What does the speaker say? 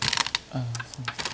ああそうですね。